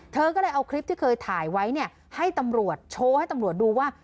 เธอก็เลยเอาคลิปที่เคยถ่ายไว้เนี่ยให้ตำรวจโชว์ให้ตำรวจดูว่า